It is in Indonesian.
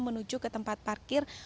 menuju ke tempat parkir